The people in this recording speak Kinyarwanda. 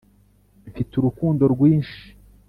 mfite urukundo rwinshi